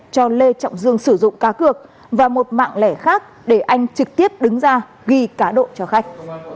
cho lê trọng dương sử dụng cá cược và một mạng lẻ khác để anh trực tiếp đứng ra ghi cá độ cho khách